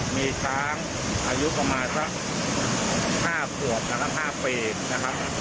มีช้างอายุประมาณสักห้าปวดนะครับห้าปีนะครับ